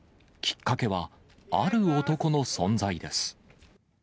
きっかけは、ある男の存在です。